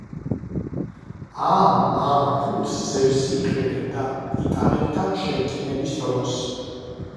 ამ ამ ქუდს ზევსი იყენებდა ტიტანებთან შერკინების დროს.